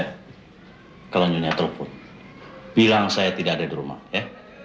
eh kalau nyonya terluput bilang saya tidak ada di rumah ya